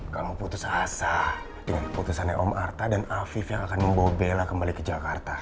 kamu putus asa dengan keputusannya om artha dan afif yang akan membawa bella kembali ke jakarta